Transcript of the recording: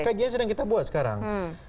kan kgs yang kita buat sekarang